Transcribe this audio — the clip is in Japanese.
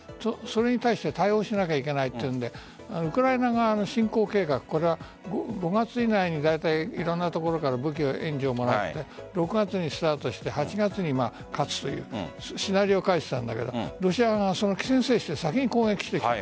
すでに多用しなければいけないというのでウクライナ側の侵攻計画５月以内にいろんなところから武器の援助をもらって６月にスタートして８月に勝つというシナリオを書いていたんだけどロシア側が先に攻撃してきた。